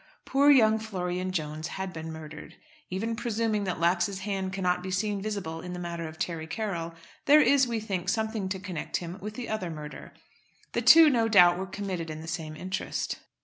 Poor young Florian Jones had been murdered. Even presuming that Lax's hand cannot be seen visible in the matter of Terry Carroll, there is, we think, something to connect him with the other murder. The two, no doubt, were committed in the same interest.